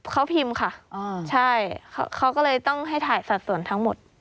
เขาพิมพ์ค่ะใช่เขาก็เลยต้องให้ถ่ายสัดส่วนทั้งหมด